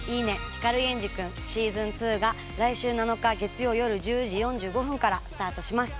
光源氏くんしずん２」が来週７日月曜よる１０時４５分からスタートします。